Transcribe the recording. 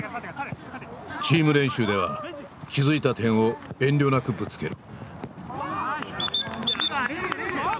チーム練習では気付いた点を遠慮なくぶつける。